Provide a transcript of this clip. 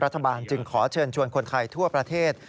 จึงขอเชิญชวนคนไทยทั่วประเทศ